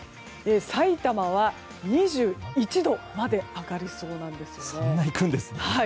さいたまは２１度まで上がるそうなんですね。